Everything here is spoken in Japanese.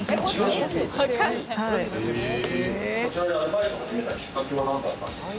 こちらでアルバイト始めたきっかけは何だったんですか？